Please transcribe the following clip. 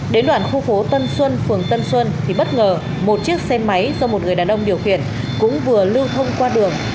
đến đoạn khu phố tân xuân phường tân xuân thì bất ngờ một chiếc xe máy do một người đàn ông điều khiển cũng vừa lưu thông qua đường